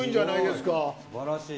すばらしい。